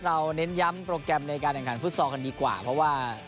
เน้นย้ำโปรแกรมในการแข่งขันฟุตซอลกันดีกว่าเพราะว่า